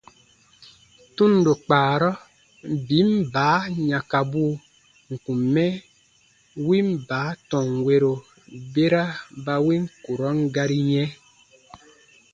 Tundo kpaarɔ, biin baa yãkabuu n kùn mɛ win baa tɔnwero bera ba win kurɔn gari yɛ̃,